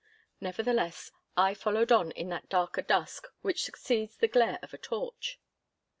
Nevertheless, I followed on in that darker dusk which succeeds the glare of a torch.